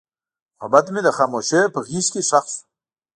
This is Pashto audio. محبت مې د خاموشۍ په غېږ کې ښخ شو.